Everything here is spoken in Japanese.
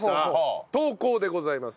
投稿でございます。